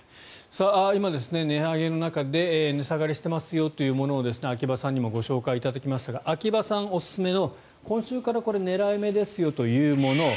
今、値上げの中で値下がりしてますよというものを秋葉さんにもご紹介いただきましたが秋葉さんおすすめの今週から狙い目ですよというもの